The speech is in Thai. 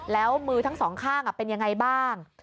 แล้วมือทั้งสองข้างเป็นยังไงบ้าง